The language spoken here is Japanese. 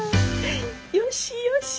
よしよし。